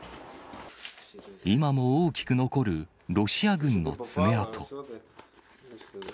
今も大きく残るロシア軍の爪痕。